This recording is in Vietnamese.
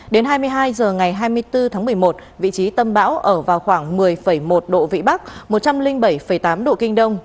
đến hai mươi hai h ngày hai mươi bốn tháng một mươi một vị trí tâm bão ở vào khoảng một mươi một độ vĩ bắc một trăm linh bảy tám độ kinh đông